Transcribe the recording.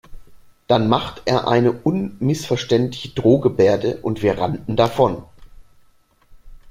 Dann machte er eine unmissverständliche Drohgebärde und wir rannten davon.